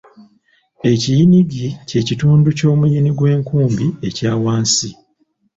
Ekiyiniggi kye kitundu ky'omuyini gw'enkumbi ekya wansi.